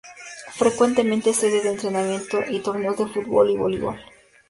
Frecuentemente es sede de entrenamientos y torneos de fútbol y voleibol.